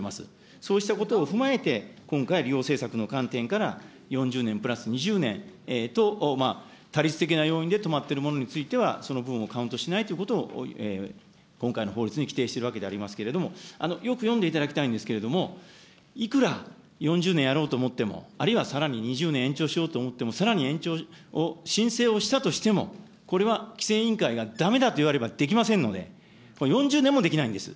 そうしたことを踏まえて、今回、利用政策の観点から４０年プラス２０年と、他律的な要因で止まっているものについては、その分をカウントしないということを今回の法律に規定しているわけでありますけれども、よく読んでいただきたいんですけども、いくら４０年やろうと思っても、あるいはさらに２０年延長しようと思っても、さらに延長を申請をしたとしても、これは規制委員会がだめだと言われれば、できませんので、４０年もできないんです。